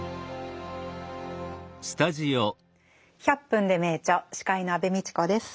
「１００分ｄｅ名著」司会の安部みちこです。